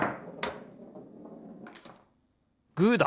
グーだ！